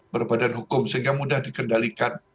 berbadan hukum sehingga mudah dikendalikan